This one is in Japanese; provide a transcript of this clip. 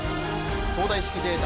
東大式データ